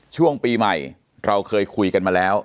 ช่วงปีใหม่เราเคยคุยกันมาแล้ว